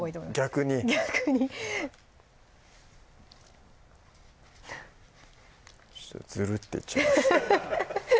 逆に逆にズルッていっちゃいました